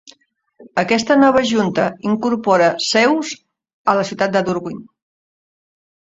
Aquesta nova junta incorpora seus a la ciutat de Dunwich.